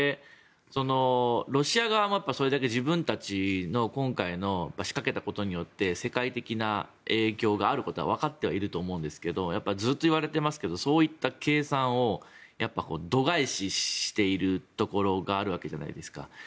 ロシア側もそれだけ自分たちの今回、仕掛けたことによって世界的に影響があることはわかっているとは思うんですがずっと言われていますけどそういった計算を度外視しているところがあるわけじゃないですか。